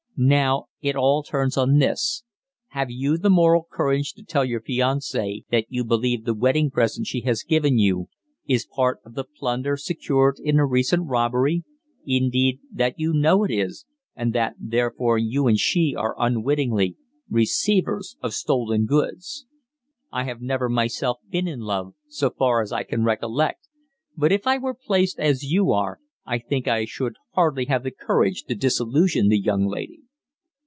Now, it all turns on this: Have you the moral courage to tell your fiancée that you believe the wedding present she has given you is part of the plunder secured in a recent robbery, indeed that you know it is, and that therefore you and she are unwittingly receivers of stolen goods? I have never myself been in love, so far as I can recollect, but if I were placed as you are I think I should hardly have the courage to disillusion the young lady."